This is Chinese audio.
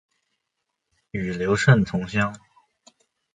与刘胜同乡。